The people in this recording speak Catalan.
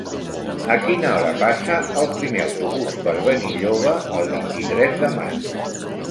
A quina hora passa el primer autobús per Benilloba el vint-i-tres de maig?